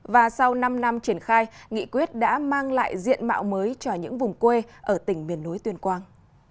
và sau năm năm triển khai nghị quyết đã mang lại diện mạo mới cho những vùng quê ở tỉnh miền núi tuyên quang